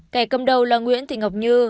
cảy cầm đầu là nguyễn thị ngọc như